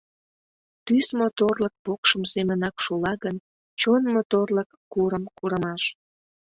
Тӱс моторлык покшым семынак шула гын, чон моторлык курым-курымаш.